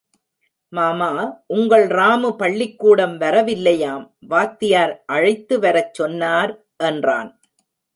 மாமா, உங்கள் ராமு பள்ளிக்கூடம் வர வில்லையாம் வாத்தியார் அழைத்து வரச் சொன்னார் என்றான்.